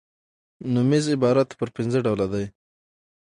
نومیز عبارت پر پنځه ډوله دئ.